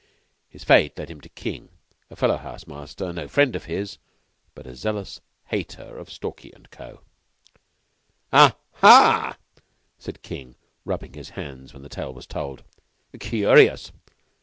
His fate led him to King, a fellow house master, no friend of his, but a zealous hater of Stalky & Co. "Ah haa!" said King, rubbing his hands when the tale was told. "Curious!